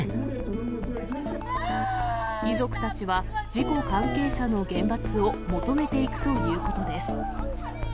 遺族たちは、事故関係者の厳罰を求めていくということです。